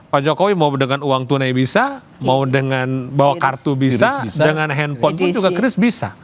pak jokowi mau dengan uang tunai bisa mau dengan bawa kartu bisa dengan handphone pun juga kris bisa